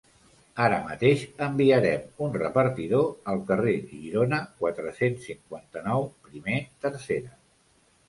Ara mateix enviarem un repartidor al Carrer Girona quatre-cents cinquanta-nou, primer tercera.